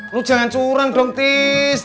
lu jangan curang dong tis